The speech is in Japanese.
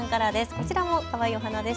こちらもかわいいお花です。